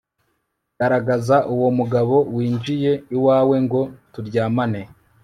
garagaza uwo mugabo winjiye iwawe ngo turyamane